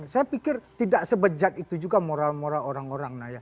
saya pikir tidak sebejat itu juga moral moral orang orang